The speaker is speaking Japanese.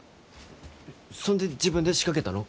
そんで自分で仕掛けたの？